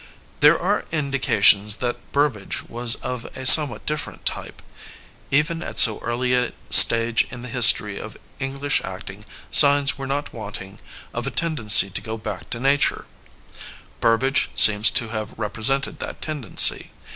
There are indications tha t Burbage was of a somewhat different type. Even at so early a stage in the history of English acting signs were not wanting of a tendency to go back to nature; Burbage seems to have represented that tendency.